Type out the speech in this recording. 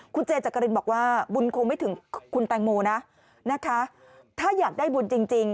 คุณเจจักรินบอกว่าบุญคงไม่ถึงคุณแตงโมนะนะคะถ้าอยากได้บุญจริง